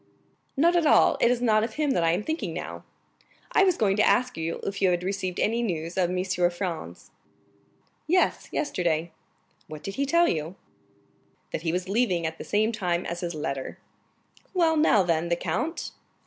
"Not at all. It is not of him that I am now thinking. I was going to ask you if you had received any news of Monsieur Franz." "Yes,—yesterday." "What did he tell you?" "That he was leaving at the same time as his letter." "Well, now then, the count?"